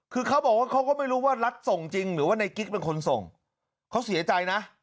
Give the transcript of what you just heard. เขาเสียใจนะ